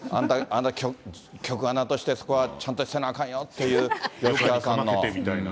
局アナとして、そこはちゃんとせなあかんよっていう、吉川さんの。